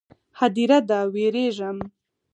_ هديره ده، وېرېږم.